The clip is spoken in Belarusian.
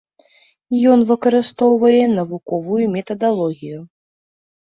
Ён выкарыстоўвае навуковую метадалогію.